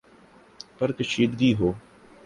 پر کشیدگی ہو،